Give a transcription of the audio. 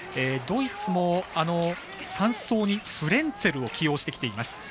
ドイツも３走にフレンツェルを起用してきています。